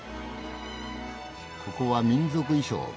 ここは民族衣装かな。